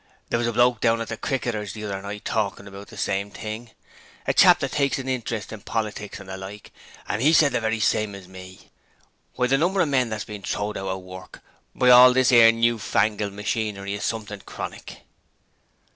There was a bloke down at the "Cricketers" the other night talkin' about the same thing a chap as takes a interest in politics and the like, and 'e said the very same as me. Why, the number of men what's been throwed out of work by all this 'ere new fangled machinery is something chronic!'